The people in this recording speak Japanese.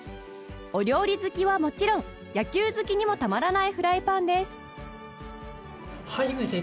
お料理好きはもちろん野球好きにもたまらないフライパンです